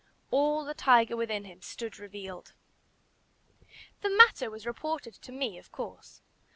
All the tiger within him stood revealed. The matter was reported to me of course.